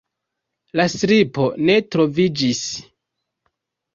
La slipo ne troviĝis.